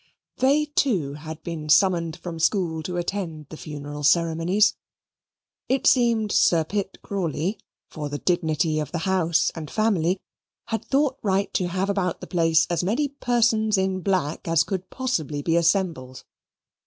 They, too, had been summoned from school to attend the funeral ceremonies. It seemed Sir Pitt Crawley, for the dignity of the house and family, had thought right to have about the place as many persons in black as could possibly be assembled.